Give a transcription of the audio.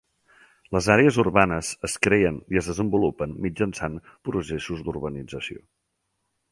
Les àrees urbanes es creen i es desenvolupen mitjançant processos d'urbanització.